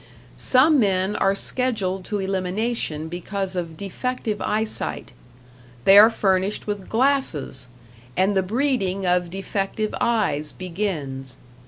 Some men are scheduled to elimination because of defective eyesight; they are furnished with glasses, and the breeding of defective eyes begins.